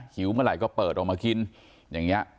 หิวเมื่อไหร่ก็เปิดออกมากินอย่างนี้